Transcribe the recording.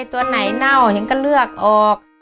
ตัวไหนเน่าเห็นก็เลือกออก